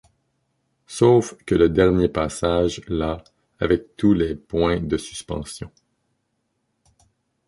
Sauf que le dernier passage, là, avec tous les points de suspension…